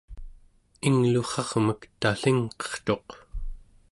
inglurrarmek tallingqertuq